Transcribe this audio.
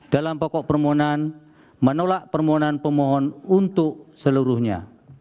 dalam pokok permohonan menolak permohonan pemohon untuk seluruhnya